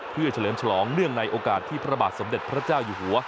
เพื่อเฉลิมฉลองเนื่องในโอกาสที่พระบาทสมเด็จพระเจ้าอยู่หัว